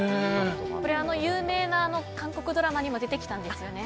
有名な韓国ドラマにも出てきたんですよね。